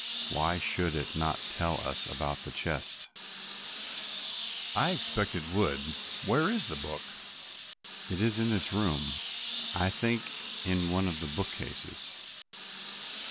Why should it not tell us about the chest?" "I expect it would; where is the book?" "It is in this room, I think, in one of the bookcases."